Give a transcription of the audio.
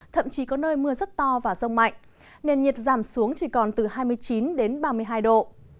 thậm chí có nơi mưa rất to và rông mạnh nền nhiệt giảm xuống chỉ còn từ hai mươi chín đến ba mươi hai độ